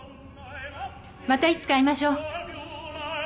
またいつか会いましょう。